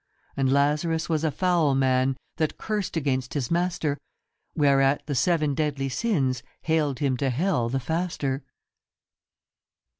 And Lazarus was a foul man That cursed against his master ; Whereat the Seven Deadly Sins Haled him to Hell the faster.